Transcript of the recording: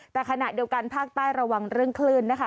แต่ขณะเดียวกันภาคใต้ระวังเรื่องคลื่นนะคะ